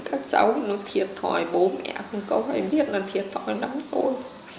các cháu nó thiệt thòi bố mẹ không có phải biết là thiệt thòi lắm rồi